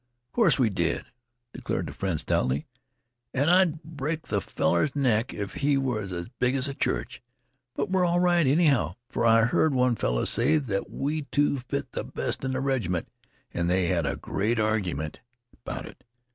"Of course we did," declared the friend stoutly. "An' I'd break th' feller's neck if he was as big as a church. But we're all right, anyhow, for I heard one feller say that we two fit th' best in th' reg'ment, an' they had a great argument 'bout it.